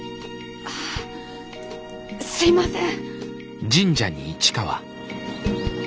ああすいません。